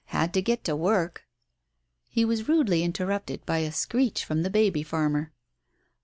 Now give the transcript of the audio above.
Had to get to work " He was rudely interrupted by a screech from the baby farmer.